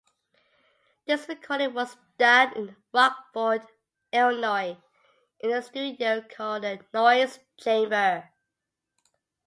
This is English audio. This recording was done in Rockford, Illinois, in a studio called the Noise Chamber.